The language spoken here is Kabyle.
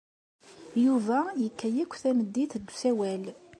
Yuba yekka akk tameddit deg usawal.